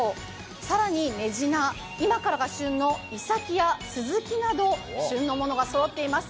更にめじな、今からが旬のいさきなど、旬のものがそろっています。